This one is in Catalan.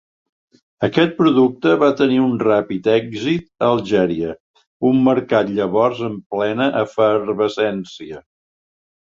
Aquest producte va tenir un ràpid èxit a Algèria, un mercat llavors en plena efervescència.